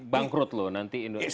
bangkrut loh nanti indonesia